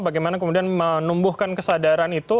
bagaimana kemudian menumbuhkan kesadaran itu